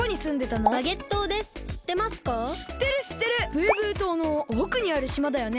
ブーブー島のおくにある島だよね？